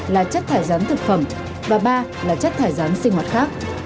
hai là chất thải rắn thực phẩm và ba là chất thải rắn sinh hoạt khác